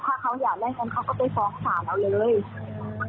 ถ้าเขาอยากได้เงินเขาก็ไปฟ้องศาลเราเลย